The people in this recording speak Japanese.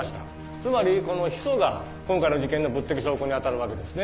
つまりこのヒ素が今回の事件の物的証拠に当たるわけですね。